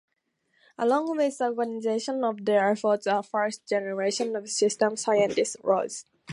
Along with the organization of their efforts a first generation of systems scientists rose.